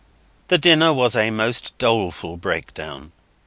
The dinner was a most doleful breakdown.